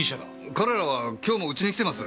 彼らは今日もうちに来てます。